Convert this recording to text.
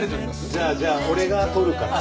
じゃあじゃあ俺が撮るから。